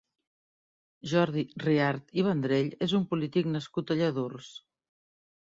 Jordi Riart i Vendrell és un polític nascut a Lladurs.